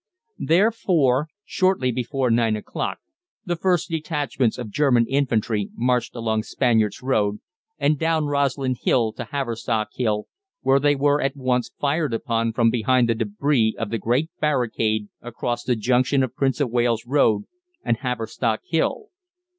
Therefore, shortly before nine o'clock the first detachments of German infantry marched along Spaniards Road, and down Roslyn Hill to Haverstock Hill, where they were at once fired upon from behind the débris of the great barricade across the junction of Prince of Wales Road and Haverstock Hill.